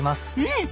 えっ！？